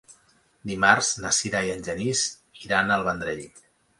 Dimarts na Sira i en Genís iran al Vendrell.